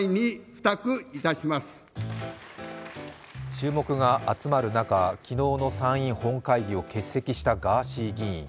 注目が集まる中昨日の参院本会議を欠席したガーシー議員。